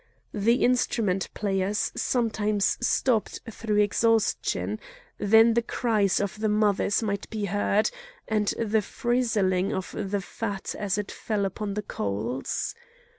The instrument players sometimes stopped through exhaustion; then the cries of the mothers might be heard, and the frizzling of the fat as it fell upon the coals.